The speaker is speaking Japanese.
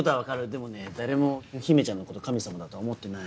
でもね誰も姫ちゃんのこと神様だとは思ってないよ。